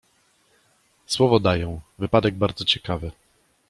"Słowo daję, wypadek bardzo ciekawy“."